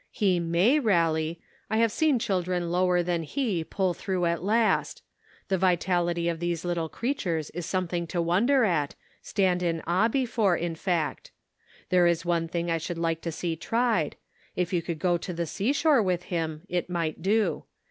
He may rally. I have seen children lower than he pull through at last. The vitality of these little creatures is something to wonder at — stand in awe before, in fact. There is one thing I should like to see tried ; if you could go to the sea shore with him, it might do.